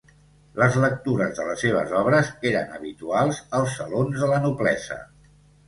Les lectures de les seves obres eren habituals als salons de la noblesa.